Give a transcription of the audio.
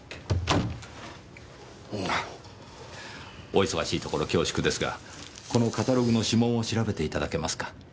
お忙しいところ恐縮ですがこのカタログの指紋を調べていただけますか？